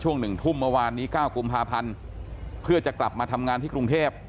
๑ทุ่มเมื่อวานนี้๙กุมภาพันธ์เพื่อจะกลับมาทำงานที่กรุงเทพ